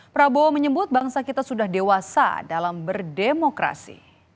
prabowo menyebut bangsa kita sudah dewasa dalam berdemokrasi